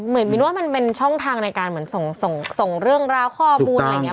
มินว่ามันเป็นช่องทางในการเหมือนส่งเรื่องราวข้อมูลอะไรอย่างนี้